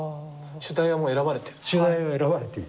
主題はもう選ばれてる。